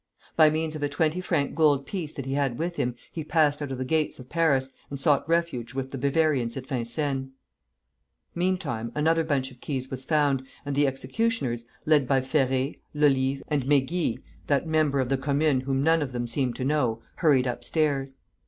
By means of a twenty franc gold piece that he had with him, he passed out of the gates of Paris, and sought refuge with the Bavarians at Vincennes. Meantime another bunch of keys was found, and the executioners, led by Ferré, Lolive, and Mégy, that member of the Commune whom none of them seemed to know, hurried upstairs.